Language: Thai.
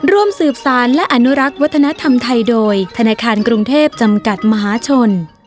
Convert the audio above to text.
ร่วมสืบสารและอนุรักษ์วัฒนธรรมไทยโดยธนาคารกรุงเทพจำกัดมหาชน